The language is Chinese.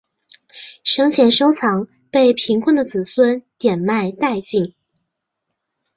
生前收藏被贫困的子孙典卖殆尽。